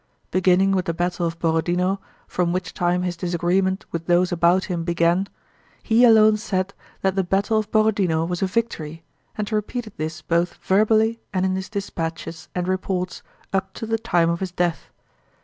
Beginning with the battle of Borodinó, from which time his disagreement with those about him began, he alone said that the battle of Borodinó was a victory, and repeated this both verbally and in his dispatches and reports up to the time of his death.